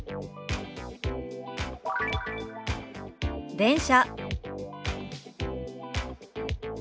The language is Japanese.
「電車」。